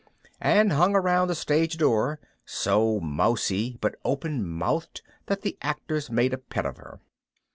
and hung around the stage door, so mousy but open mouthed that the actors made a pet of her.